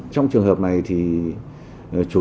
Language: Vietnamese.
trong trường hợp này thì chủ yếu